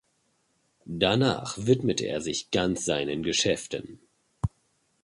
Danach widmete er sich ganz seinen Geschäften.